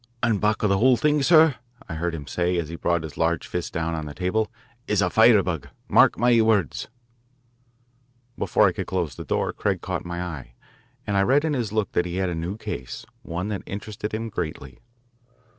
"And back of the whole thing, sir," I heard him say as he brought his large fist down on the table, "is a firebug mark my words." Before I could close the door, Craig caught my eye, and I read in his look that he had a new case one that interested him greatly.